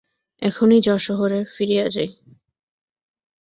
এখনি যশােহরে ফিরিয়া যাই।